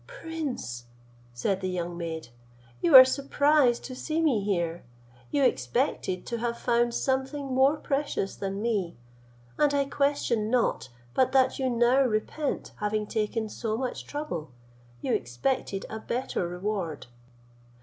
"Prince," said the young maid, "you are surprised to see me here; you expected to have found something more precious than me, and I question not but that you now repent having taken so much trouble: you expected a better reward."